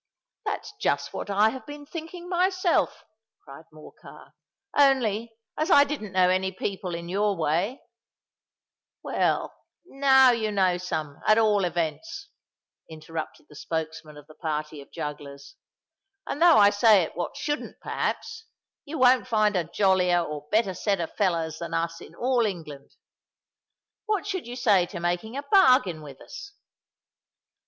"That's just what I have been thinking myself," cried Morcar. "Only, as I didn't know any people in your way——" "Well, now you know some, at all events," interrupted the spokesman of the party of jugglers; "and though I say it what shouldn't perhaps, you won't find a jollier or better set of fellers than us in all England. What should you say to making a bargain with us?"